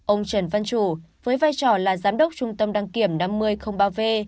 ông trần văn chủ với vai trò là giám đốc trung tâm đăng kiểm năm mươi ba v